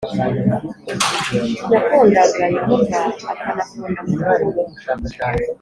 Yakundaga Yehova akanakunda mukuru we